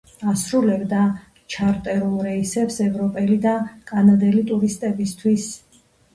ასრულებდა ჩარტერულ რეისებს ევროპელი და კანადელი ტურისტებისთვის.